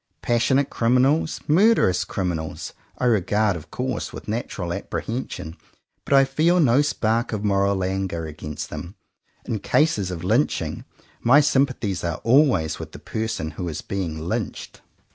Passionate criminals, murderous criminals, I regard of course with natural apprehen sion, but I feel no spark of moral anger against them. In cases of lynching, my sympathies are always with the person who is being lynched.